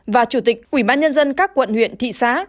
và chủ tịch ủy ban nhân dân các quận huyện thị xã